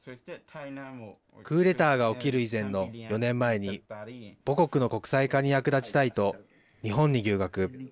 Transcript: クーデターが起きる以前の４年前に母国の国際化に役立ちたいと日本に留学。